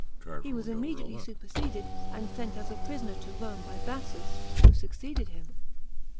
He was immediately superseded, and sent as a prisoner to Rome by Bassus, who succeeded him.